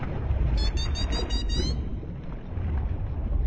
ピピピピピピ。